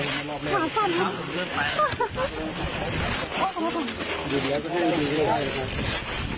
อยู่เนี่ยเพราะว่านักข่าวเนี้ยยังไม่ไหว